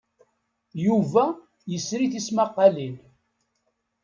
Yuba yesri tismaqqalin.